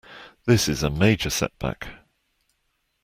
This is a major setback.